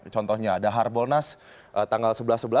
contohnya ada harbolnas tanggal sebelas sebelas